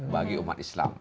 bagi umat islam